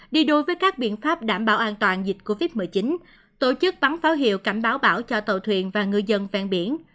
đi đối với các biện pháp đảm bảo an toàn dịch covid một mươi chín tổ chức bắn pháo hiệu cảnh báo bão cho tàu thuyền và ngư dân ven biển